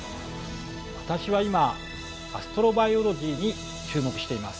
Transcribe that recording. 私は今アストロバイオロジーに注目しています。